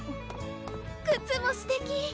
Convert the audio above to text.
靴もすてき！